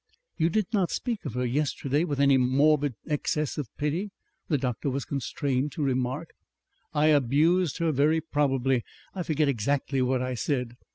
"You did not speak of her yesterday with any morbid excess of pity," the doctor was constrained to remark. "I abused her very probably. I forget exactly what I said...."